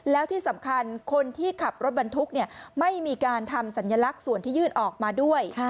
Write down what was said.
แล้วที่สำคัญคนที่ขับรถบรรทุกไม่มีการทำสัญลักษณ์ส่วนที่ยื่นออกมาด้วย